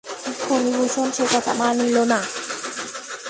ফণিভূষণ সে কথা মানিল না।